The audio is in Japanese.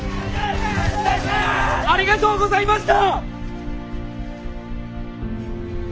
まことにありがとうございました！